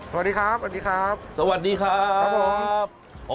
สวัสดีครับสวัสดีครับสวัสดีครับผม